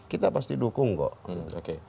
kita pasti dukung kok